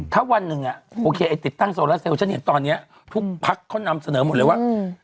ถ้าวันหนึ่งโอเคไอ้ติดตั้งโซลาเซลฉันเห็นตอนนี้ทุกพักเขานำเสนอหมดเลยว่า